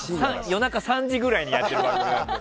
夜中３時ぐらいにやってる番組なんで。